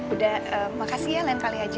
udah makasih ya lain kali aja